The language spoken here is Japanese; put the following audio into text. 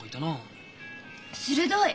鋭い！